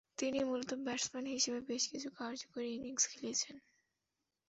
তিনি মূলতঃ ব্যাটসম্যান হিসেবে বেশকিছু কার্যকরী ইনিংস খেলেছেন।